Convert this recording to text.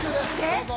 どうぞ。